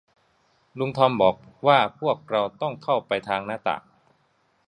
ลุงทอมบอกว่าพวกเราต้องเข้าไปทางหน้าต่าง